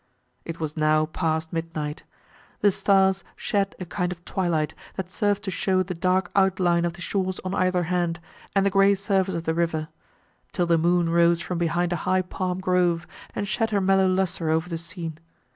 It was now past midnight. The stars shed a kind of twilight, that served to show the dark outline of the shores on either hand, and the grey surface of the river; till the moon rose from behind a high palm grove, and shed her mellow lustre over the scene.